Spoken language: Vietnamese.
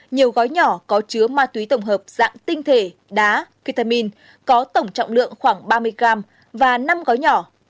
nhiều gói nhỏ có chứa ma túy tổng hợp dạng tinh thể đá ketamin có tổng trọng lượng khoảng ba mươi gram và năm gói nhỏ